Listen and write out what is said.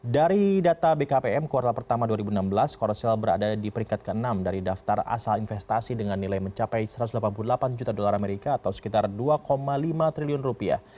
dari data bkpm kuartal pertama dua ribu enam belas korosel berada di peringkat ke enam dari daftar asal investasi dengan nilai mencapai satu ratus delapan puluh delapan juta dolar amerika atau sekitar dua lima triliun rupiah